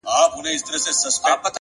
صادق چلند د اړیکو عمر زیاتوي,